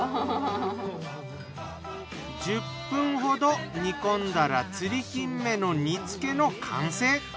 １０分ほど煮込んだら釣りキンメの煮付けの完成！